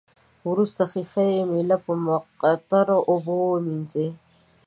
وروسته ښيښه یي میله په مقطرو اوبو ومینځئ.